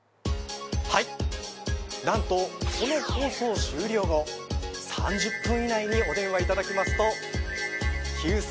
はいなんとこの放送終了後３０分以内にお電話いただきますとＱ